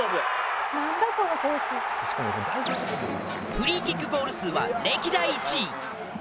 フリーキックゴール数は歴代１位。